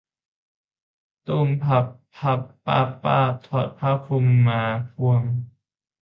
ตู้ม พั่บ พั่บ ป้าบ ป้าบ ถอดผ้าคลุมมาควง